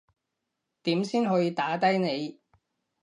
點先可以打低你